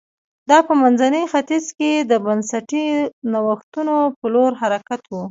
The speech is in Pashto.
دا په منځني ختیځ کې د بنسټي نوښتونو په لور حرکت و